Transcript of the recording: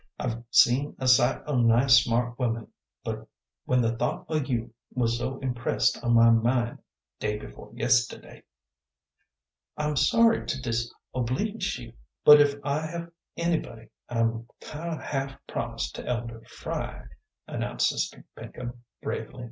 I've seen a sight o' nice, smart women, but when the thought o' you was so impressed on my mind day before yisterday" "I'm sorry to disobleege you, but if I have anybody, I'm kind o' half promised to Elder Fry," announced Sister Pinkham bravely.